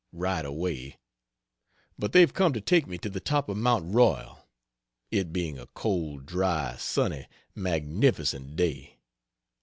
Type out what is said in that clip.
Right away But they've come to take me to the top of Mount Royal, it being a cold, dry, sunny, magnificent day.